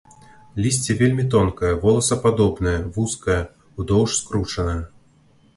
Лісце вельмі тонкае, воласападобнае, вузкае, удоўж скручанае.